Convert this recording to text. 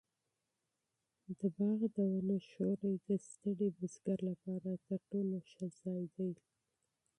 د باغ د ونو سیوری د ستړي بزګر لپاره تر ټولو ښه ځای دی.